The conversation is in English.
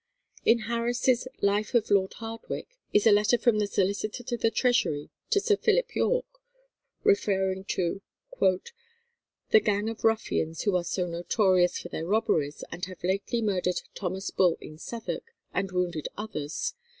In Harris's "Life of Lord Hardwicke" is a letter from the solicitor to the Treasury to Sir Philip Yorke, referring to "the gang of ruffians who are so notorious for their robberies, and have lately murdered Thomas Bull in Southwark, and wounded others.